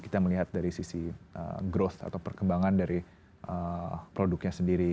kita melihat dari sisi growth atau perkembangan dari produknya sendiri